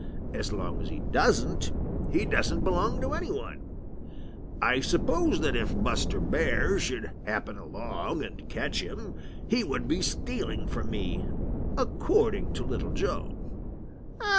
As long as he doesn't, he doesn't belong to any one. I suppose that if Buster Bear should happen along and catch him, he would be stealing from me, according to Little Joe."